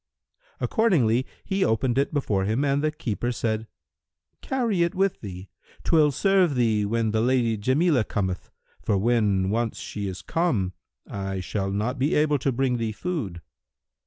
Accordingly he opened it before him and the keeper said, "Carry it with thee; 'twill serve thee when the Lady Jamilah cometh; for when once she is come, I shall not be able to bring thee food."